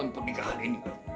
kamu bisa nikah sama leluhur